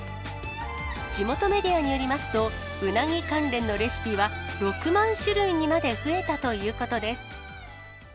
地元メディアによりますと、うなぎ関連のレシピは、６万種類にまで増えたということです。